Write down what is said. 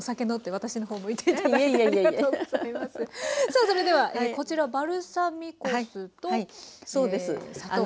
さあそれではこちらバルサミコ酢と砂糖。